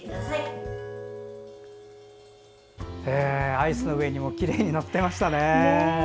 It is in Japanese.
アイスラテの上にもきれいに載ってましたね。